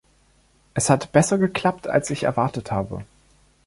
Es hat besser geklappt, als ich erwartet habe.